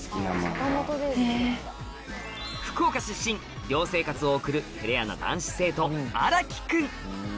福岡出身寮生活を送る照れ屋な男子生徒荒木君